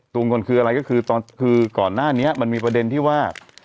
ตัวเงินคืออะไรก็คือก่อนหน้านี้มันมีประเด็นที่ว่า